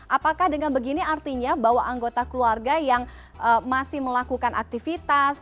apakah dengan begini artinya bahwa anggota keluarga yang masih melakukan aktivitas